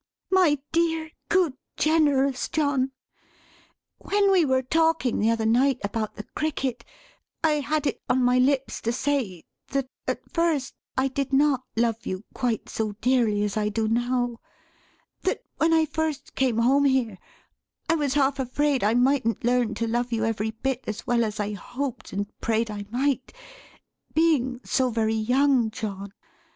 My dear, good, generous John; when we were talking the other night about the Cricket, I had it on my lips to say, that at first I did not love you quite so dearly as I do now; that when I first came home here, I was half afraid I mightn't learn to love you every bit as well as I hoped and prayed I might being so very young, John.